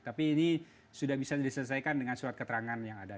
tapi ini sudah bisa diselesaikan dengan surat keterangan yang ada